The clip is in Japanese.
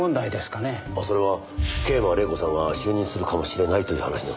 それは桂馬麗子さんが就任するかもしれないという話の？